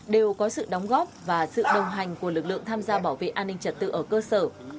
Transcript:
đều có sự đóng góp và sự đồng hành của lực lượng tham gia bảo vệ an ninh trật tự ở cơ sở